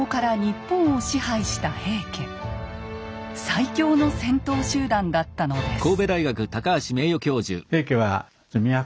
最強の戦闘集団だったのです。